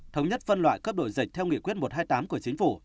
thống nhất phân loại cấp đổi dịch theo nghị quyết một trăm hai mươi tám của chính phủ